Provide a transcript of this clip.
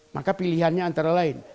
maka pilihannya antara lain